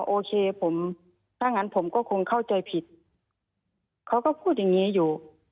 โอเคผมถ้างั้นผมก็คงเข้าใจผิดเขาก็พูดอย่างนี้อยู่